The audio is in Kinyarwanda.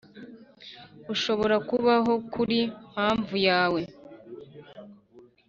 ushobora kubaho kuri mpamvu yawe;